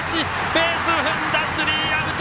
ベース踏んだ、スリーアウト。